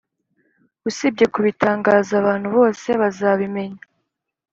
usibye kubitangaza abantu bose bazabimenya